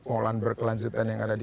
pengelolaan berkelanjutan yang ada di